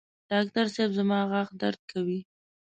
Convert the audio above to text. ډاکټر صېب زما غاښ درد کوي